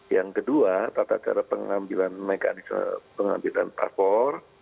yang kedua tata cara pengambilan mekanisme pengambilan paspor itu bisa langsung ke pt sbl di kantornya yang di jalan